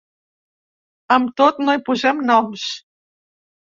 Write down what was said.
Amb tot, no hi posen noms.